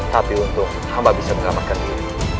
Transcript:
tapi untung amba bisa mengelamatkan diri